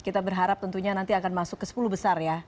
kita berharap tentunya nanti akan masuk ke sepuluh besar ya